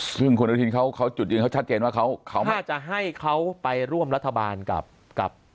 ซึ่งคุณอนุทินเขาจุดยืนเขาชัดเจนว่าเขาไม่น่าจะให้เขาไปร่วมรัฐบาลกับ